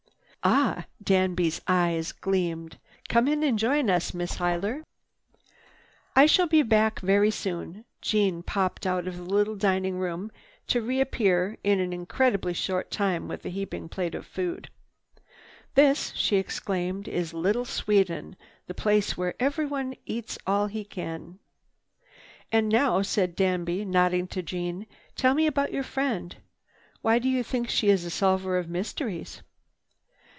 "Ah!" Danby's eyes gleamed. "Come and join us, Miss Huyler." "I shall be back very soon." Jeanne popped out of the little dining room to reappear in an incredibly short time with a heaping plate of food. "This," she exclaimed, "is Little Sweden, the place where everyone eats all he can." "And now," said Danby, nodding to Jeanne, "tell me about your friend. Why do you think she is a solver of mysteries?"